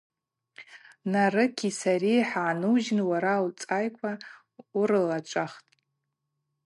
Нарыкьи сари хӏгӏанужьын уара уцӏайква урылачӏвахтӏ.